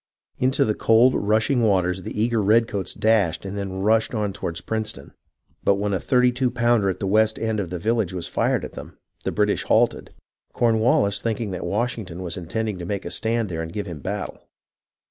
Into the cold, rushing waters the eager redcoats dashed and then rushed on toward Princeton ; but when a thirty two pounder at the west end cf the village was fired at 146 HISTORY OF THE AMERICAN REVOLUTION them, the British halted, CornwalHs thinking that Wash ington was intending to make a stand there and give him battle.